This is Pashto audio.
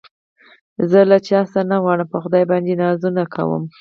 زه له چا څه نه غواړم په خدای باندې نازونه کوم